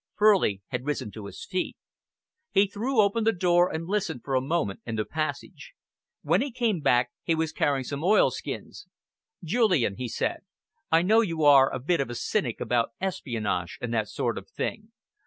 Furley had risen to his feet. He threw open the door and listened for a moment in the passage. When he came back he was carrying some oilskins. "Julian," he said, "I know you are a bit of a cynic about espionage and that sort of thing.